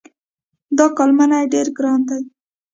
دا کال مڼې ډېرې ګرانې دي.